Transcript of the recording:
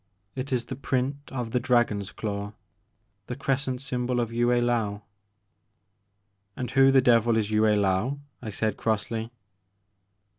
It is the print of the dragon's claw, — ^the crescent symbol of Yue I^ou '* "And who the devil is Yue I^ou?" I said crossly.